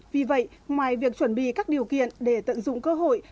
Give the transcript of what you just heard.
vì vậy ngoài việc chuẩn bị các điều kiện để tận dụng cơ hội